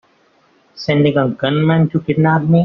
Sending a gunman to kidnap me!